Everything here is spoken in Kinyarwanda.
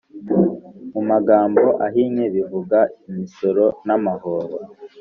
mu magambo ahinnye bivuga imisoro namahoro